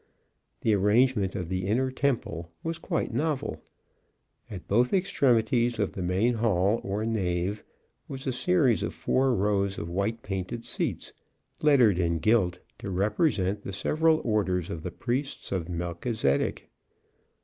The arrangement of the inner temple was quite novel. At both extremities of the main hall, or nave, was a series of four rows of white painted seats, lettered in gilt to represent the several orders of the Priests of Melchizedek.